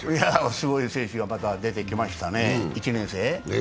すごい選手がまた出てきましたね、１年生。